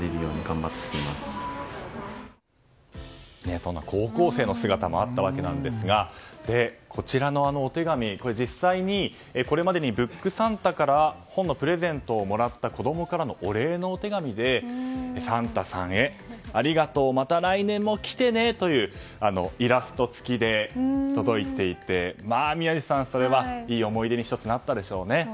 そんな高校生の姿もあったわけですがこちらのお手紙、実際にこれまでにブックサンタから本のプレゼントをもらった子供からのお礼のお手紙で「サンタさんへありがとう、また来年も来てね」というイラスト付きで届いていて宮司さん、いい思い出に１つなったでしょうね。